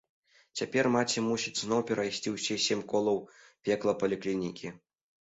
Цяпер маці мусіць зноў прайсці ўсе сем колаў пекла паліклінікі.